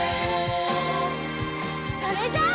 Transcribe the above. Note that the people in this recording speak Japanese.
それじゃあ。